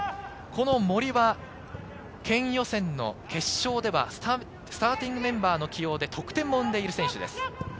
森は県予選の決勝ではスターティングメンバーの起用で得点も生んでいる選手です。